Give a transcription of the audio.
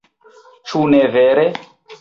Ĉu ne vere?